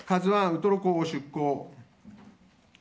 「ＫＡＺＵ１」ウトロ港を出港。